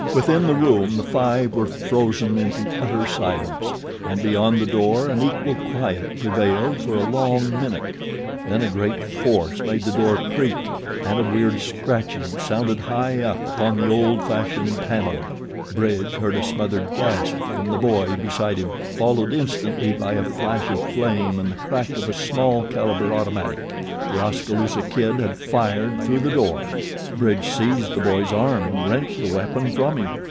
Within the room the five were frozen into utter silence, and beyond the door an equal quiet prevailed for a long minute; then a great force made the door creak and a weird scratching sounded high up upon the old fashioned panelling. Bridge heard a smothered gasp from the boy beside him, followed instantly by a flash of flame and the crack of a small caliber automatic; The Oskaloosa Kid had fired through the door. Bridge seized the boy's arm and wrenched the weapon from him.